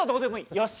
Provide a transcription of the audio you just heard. よし。